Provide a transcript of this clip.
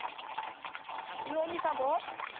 かずむおにいさんも！